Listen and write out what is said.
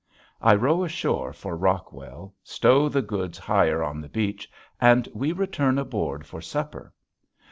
I row ashore for Rockwell, stow the goods higher on the beach, and we return aboard for supper.